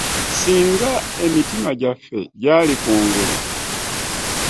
Singa emitima gyaffe gyaali kungulu.